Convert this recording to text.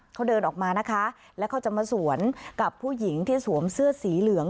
เขาเดินออกมานะคะแล้วเขาจะมาสวนกับผู้หญิงที่สวมเสื้อสีเหลือง